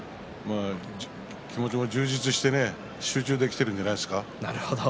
気持ちが充実して集中できてるんじゃないですか？